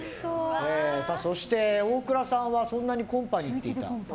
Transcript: そして、大倉さんは週１でコンパに行っていたと。